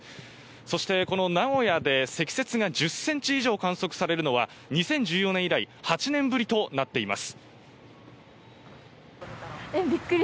そしてこの名古屋で積雪が１０ｃｍ以上観測されるのは、２０１４年以来、８年ぶりとなっています。